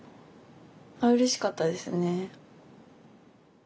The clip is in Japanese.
うれしかったですね。